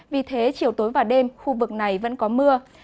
vì thế chiều tối và đêm khu vực này vẫn có mưa